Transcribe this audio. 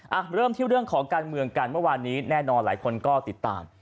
อ่ะเริ่มที่เรื่องของการเมืองกันเมื่อวานนี้แน่นอนหลายคนก็ติดตาม